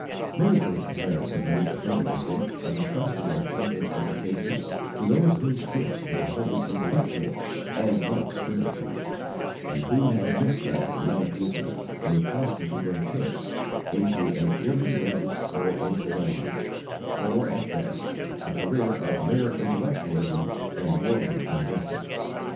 Many Christian parents have made the fatal mistake of intrusting their children's education to those whose gifts were wholly intellectual and not spiritual, and who have misled the young pupils entrusted to their care, into an irreligious or infidel life, or, at best, a career of mere intellectualism and worldly ambition.